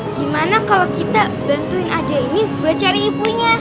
gimana kalau kita bantuin aja ini buat cari ibunya